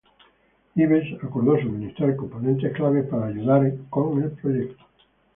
Hives acordó suministrar componentes clave para ayudar con el proyecto.